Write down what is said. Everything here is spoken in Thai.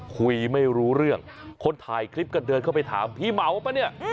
คุยไม่รู้เรื่องคนถ่ายคลิปก็เดินเข้าไปถามพี่เหมาป่ะเนี่ย